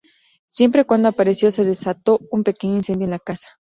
Siempre cuando apareció se desató un pequeño incendio en la casa.